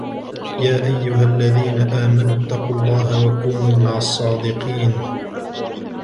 يَا أَيُّهَا الَّذِينَ آمَنُوا اتَّقُوا اللَّهَ وَكُونُوا مَعَ الصَّادِقِينَ